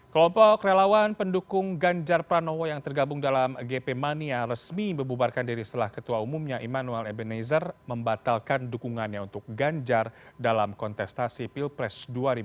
kelompok relawan pendukung ganjar pranowo yang tergabung dalam gp mania resmi membubarkan diri setelah ketua umumnya immanuel ebenezer membatalkan dukungannya untuk ganjar dalam kontestasi pilpres dua ribu dua puluh